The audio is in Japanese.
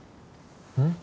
うん？